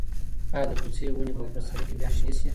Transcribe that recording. ایا د کوڅې ونې به په پسرلي کې بیا شنې شي؟